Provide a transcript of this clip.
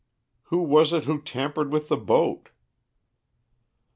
"Who was it who tampered with the boat?"